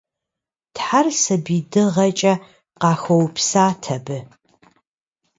Тхьэр сабий дыгъэкӏэ къахуэупсат абы.